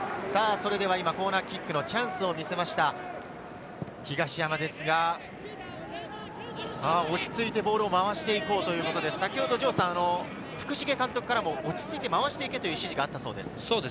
今コーナーキックのチャンスを見せました東山ですが、落ち着いてボールを回して行こうということで、福重監督からも落ち着いて回していけという指示があったそうです。